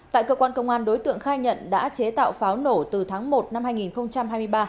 tại cơ quan công an đối tượng khai nhận đã chế tạo pháo nổ từ tháng một năm hai nghìn hai mươi ba